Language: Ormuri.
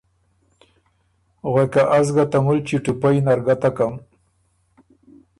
غوېکه ”از ګۀ ته مُلچی ټُپئ نر ګتکم“